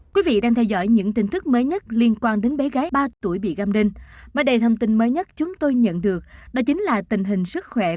các bạn hãy đăng ký kênh để ủng hộ kênh của chúng mình nhé